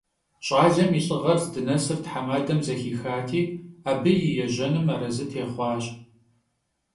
Ş'alem yi lh'ığer zdınesır themadem zexixati, abı yi yêjenım arezı têxhuaş.